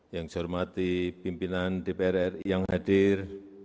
yang saya hormati pimpinan dprri yang hadir